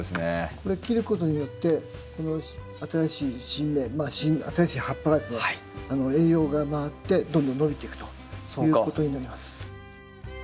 これ切ることによってこの新しい新芽新しい葉っぱがですね栄養が回ってどんどん伸びていくということになります。